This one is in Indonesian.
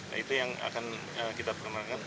nah itu yang akan kita perkenalkan